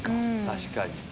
確かに。